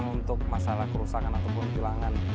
untuk masalah kerusakan ataupun kehilangan